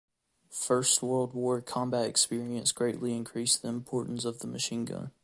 First World War combat experience greatly increased the importance of the machine gun.